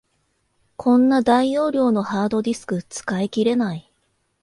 こんな大容量のハードディスク、使い切れない